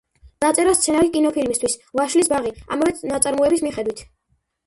დაწერა სცენარი კინოფილმისთვის „ვაშლის ბაღი“, ამავე ნაწარმოების მიხედვით.